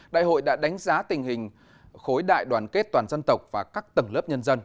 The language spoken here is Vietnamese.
đại hội đã đánh giá tình hình khối đại đoàn kết toàn dân tộc và các tầng lớp nhân dân